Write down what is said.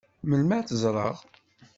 Melmi ad tt-ẓṛeɣ?